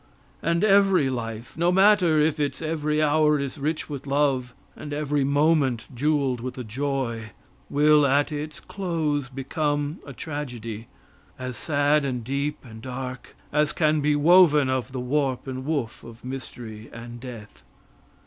And every life, no matter if its every hour is rich with love, and every moment jeweled with a joy, will, at its close, become a tragedy, as sad, and deep, and dark as can be woven of the warp and woof of mystery and death.